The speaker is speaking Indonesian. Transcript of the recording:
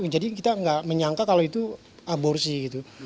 jadi kita tidak menyangka kalau itu aborsi